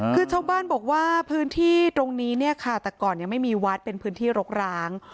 คือชาวบ้านบอกว่าพื้นที่ตรงนี้เนี่ยค่ะแต่ก่อนยังไม่มีวัดเป็นพื้นที่รกร้าง